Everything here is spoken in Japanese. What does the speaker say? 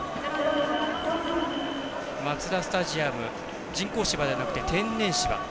マツダスタジアム人工芝じゃなくて天然芝。